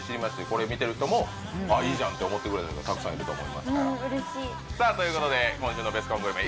これ見てる人もいいじゃんって思ってくれる人がたくさんいると思いますからうん嬉しいさあということで今週のベスコングルメ